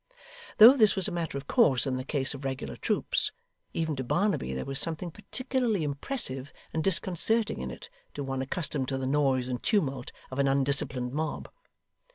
Though this was a matter of course in the case of regular troops, even to Barnaby, there was something particularly impressive and disconcerting in it to one accustomed to the noise and tumult of an undisciplined mob.